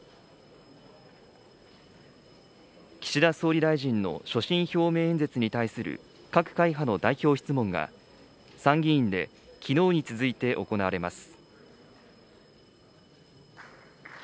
岸田総理大臣の所信表明演説に対する各会派の代表質問が、参議院できのうに続いて行われます。